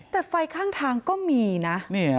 แต่ไฟข้างทางก็มีนะ